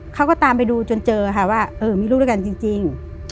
เขาก็ตามไปดูจนเจอค่ะว่าเออมีลูกด้วยกันจริง